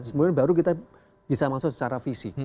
kemudian baru kita bisa masuk secara fisik